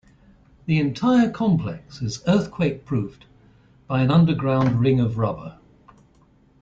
The entire complex is earthquake-proofed by an underground ring of rubber.